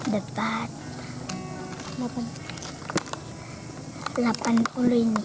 dapat delapan puluh ini